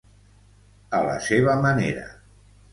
A la seva manera.